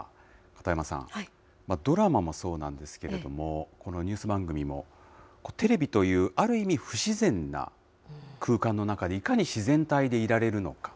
片山さん、ドラマもそうなんですけれども、このニュース番組も、テレビというある意味、不自然な空間の中に、いかに自然体でいられるのか。